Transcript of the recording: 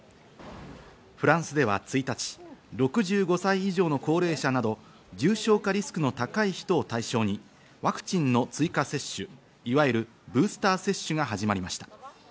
フランスでは１日、６５歳以上の高齢者など重症化リスクの高い人を対象にワクチンの追加接種、いわゆるブースター接種が始まりました。